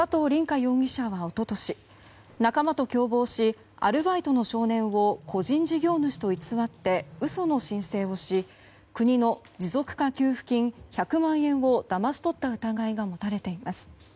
凛果容疑者は一昨年仲間を共謀しアルバイトの少年を個人事業主と偽って嘘の申請をし国の持続化給付金１００万円をだまし取った疑いが持たれています。